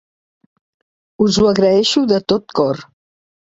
Us ho agraeixo de tot cor.